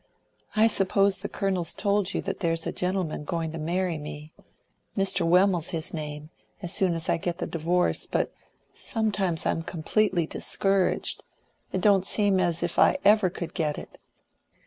I suppose the Colonel's told you that there's a gentleman going to marry me Mr. Wemmel's his name as soon as I get the divorce; but sometimes I'm completely discouraged; it don't seem as if I ever could get it."